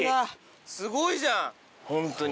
すごいじゃんホントに。